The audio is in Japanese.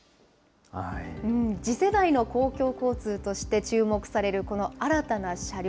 次世代の公共交通として、注目されるこの新たな車両。